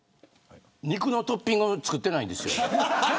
肉のトッピング作ってないですよね。